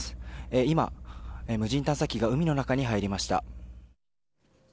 今、無人探査機が海の中に入りました。